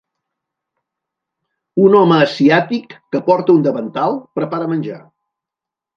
Un home asiàtic, que porta un davantal, prepara menjar.